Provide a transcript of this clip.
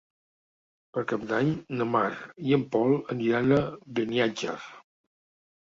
Per Cap d'Any na Mar i en Pol aniran a Beniatjar.